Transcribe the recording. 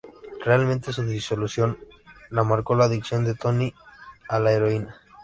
Realmente su disolución la marcó la dicción de Tony a la heroína.